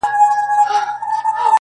مرغه نه سي څوک یوازي په هګیو!.